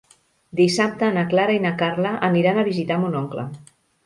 Dissabte na Clara i na Carla aniran a visitar mon oncle.